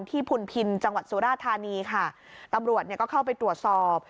พุนพินจังหวัดสุราธานีค่ะตำรวจเนี่ยก็เข้าไปตรวจสอบ